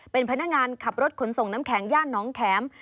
เป็นพนักงานขับรถขนส่งน้ำแข็งย่านน้องแข็ม